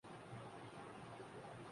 دامن نچوڑ دیں تو فرشتے وضو کریں''